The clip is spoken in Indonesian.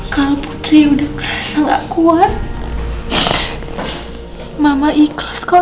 kalau putri sudah kerasa nggak kuat mama ikhlas kok nak